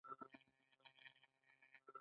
ځکه مو څه نه شول ویلای.